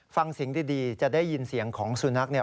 ฟังเสียงดีจะได้ยินเสียงของสุนัขเนี่ย